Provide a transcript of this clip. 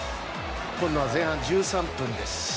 今度は前半１３分です。